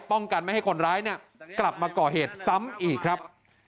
ป้องกันไม่ให้คนร้ายกลับมาก่อเหตุซ้ำอีกครับ